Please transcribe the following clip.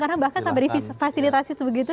karena bahkan sampai di fasilitasi sebegitu